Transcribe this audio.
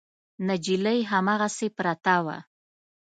نجلۍ هماغسې پرته وه.